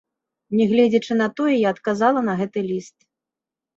Нягледзячы на тое, я адказала на гэты ліст.